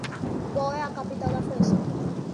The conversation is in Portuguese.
Qual é a capital da França?